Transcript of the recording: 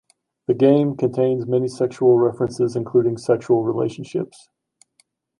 The game contains many sexual references, including sexual relationships.